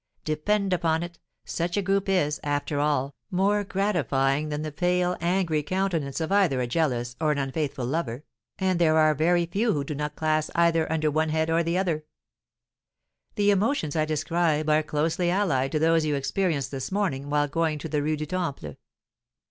Depend upon it, such a group is, after all, more gratifying than the pale, angry countenance of either a jealous or an unfaithful lover, and there are very few who do not class either under one head or the other. The emotions I describe are closely allied to those you experienced this morning while going to the Rue du Temple.